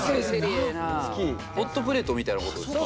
ホットプレートみたいなことですか？